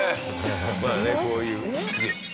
まあねこういう。